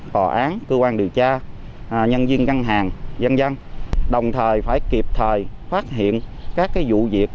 tòa án cơ quan điều tra nhân viên ngân hàng dân dân đồng thời phải kịp thời phát hiện các vụ việc